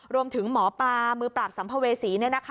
รวมถึงหมอปลามือปราบสัมภเวษี